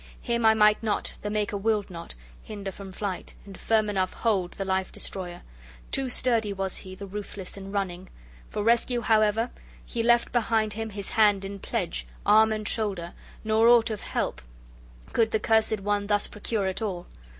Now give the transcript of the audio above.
Him I might not the Maker willed not hinder from flight, and firm enough hold the life destroyer: too sturdy was he, the ruthless, in running! For rescue, however, he left behind him his hand in pledge, arm and shoulder; nor aught of help could the cursed one thus procure at all.